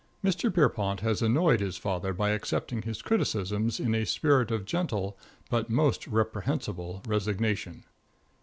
Mr. || Pierrepont has annoyed || his father by accepting || his criticisms in a || spirit of gentle, but || most reprehensible, || resignation.